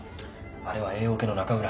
あれはＡオケの中村。